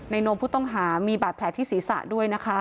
โนมผู้ต้องหามีบาดแผลที่ศีรษะด้วยนะคะ